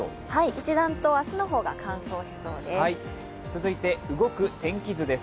一段と明日の方が乾燥しそうです。